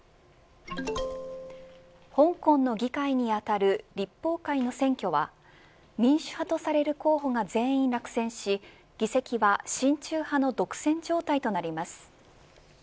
香港の議会にあたる立法会の選挙は民主派とされる候補が全員落選し議席は親中派の独占状態となります。